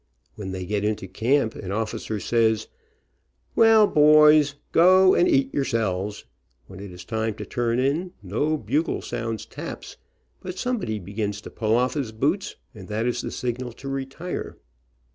When they get into camp, an officer says, "Now, boys, go and eat yourselves," when it is time to turn in no bugle sounds taps, but somebody begins to pull off his boots, and that is the signal to retire.